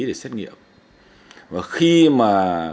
để xét nghiệm và khi mà